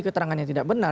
keterangannya tidak benar